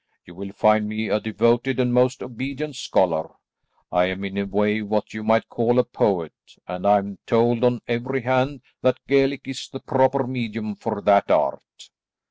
You will find me a devoted and most obedient scholar. I am in a way what you might call a poet, and I am told on every hand that Gaelic is the proper medium for that art."